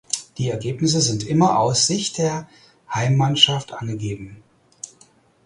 Die Ergebnisse sind immer aus Sicht der Heimmannschaft angegeben.